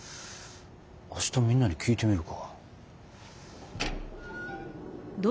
明日みんなに聞いてみるか。